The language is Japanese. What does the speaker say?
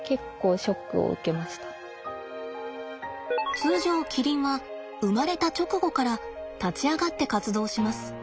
通常キリンは生まれた直後から立ち上がって活動します。